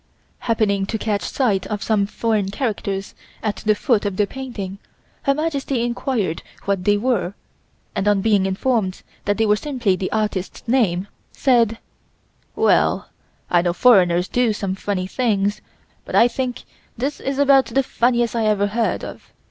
Happening to catch sight of some foreign characters at the foot of the painting Her Majesty inquired what they were and on being informed that they were simply the artist's name, said: "Well, I know foreigners do some funny things, but I think this about the funniest I ever heard of.